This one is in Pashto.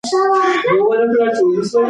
که هغه لاړه شي، دا خونه به توره تیاره شي.